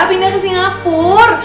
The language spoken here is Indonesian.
pindah ke singapur